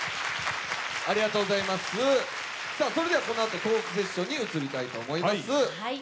このあとトークセッションに移りたいと思います。